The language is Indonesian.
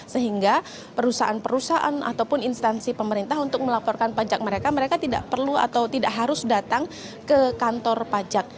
sehingga perusahaan perusahaan ataupun instansi pemerintah untuk melaporkan pajak mereka mereka tidak perlu atau tidak harus datang ke kantor pajak